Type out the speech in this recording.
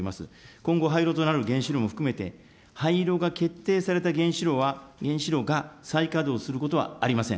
今後、廃炉となる原子炉も含めて、廃炉が決定された原子炉が再稼働することはありません。